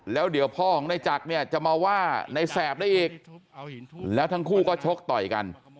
แล้วเดี๋ยวพ่อของในจักรเนี่ยจะมาว่าในแสบได้อีกแล้วทั้งคู่ก็ชกต่อยกัน